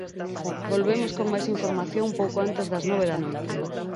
Volvemos con máis información pouco antes das nove da noite.